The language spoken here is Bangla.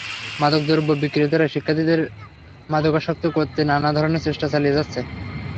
মাদক দ্রব্য বিক্রেতারা শিক্ষার্থীদের মাদকাসক্ত করতে নানা ধরনের চেষ্টা চালিয়ে যাচ্ছে।